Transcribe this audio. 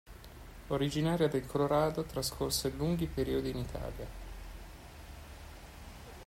Originaria del Colorado, trascorse lunghi periodi in Italia.